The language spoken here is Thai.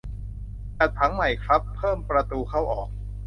จัดผังใหม่ครับ เพิ่มประตูเข้าออก